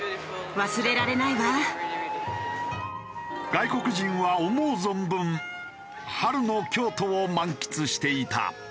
外国人は思う存分春の京都を満喫していた。